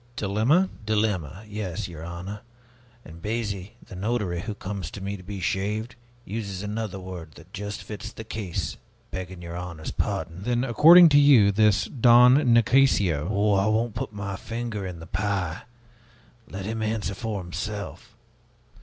"Dilemma?" "Dilemma, yes, your honor. And Biasi, the notary, who comes to me to be shaved, uses another word that just fits the case, begging your honor's pardon." "Then, according to you, this Don Nicasio " "Oh, I won't put my finger in the pie! Let him answer for himself.